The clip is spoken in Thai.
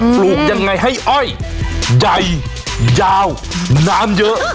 ปลูกยังไงให้อ้อยใหญ่ยาวน้ำเยอะ